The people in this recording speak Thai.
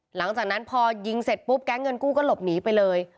หลังจากนั้นพอยิงเสร็จปุ๊บแก๊งเงินกู้ก็หลบหนีไปเลย